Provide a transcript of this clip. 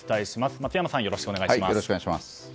松山さん、よろしくお願いします。